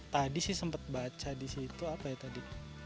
tadi sih sempat baca di situ apa ya tadi